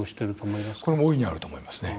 これも大いにあると思いますね。